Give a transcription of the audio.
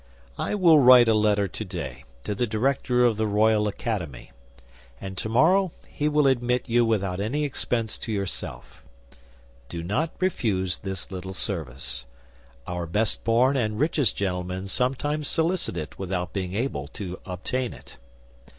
I will write a letter today to the Director of the Royal Academy, and tomorrow he will admit you without any expense to yourself. Do not refuse this little service. Our best born and richest gentlemen sometimes solicit it without being able to obtain it.